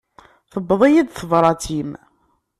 Tewweḍ-iyi-d tebrat-im.